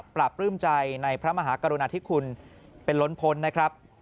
ปรับปลื้มใจในพระมหากรุณาธิคุณเป็นล้นพ้นนะครับ